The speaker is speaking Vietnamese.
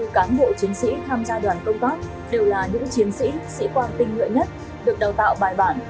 hai mươi cán bộ chiến sĩ tham gia đoàn công tác đều là những chiến sĩ sĩ quan tinh nguội nhất được đào tạo bài bản